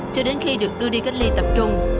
cho đến khi được đưa đi cách ly tập trung